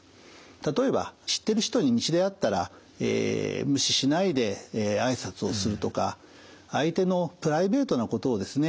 例えば知ってる人に道で会ったら無視しないで挨拶をするとか相手のプライベートなことをですね